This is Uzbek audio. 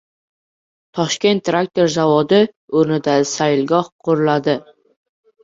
“Toshkent traktor zavodi” o‘rnida sayilgoh quriladi